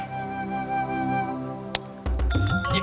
hati hati di jalan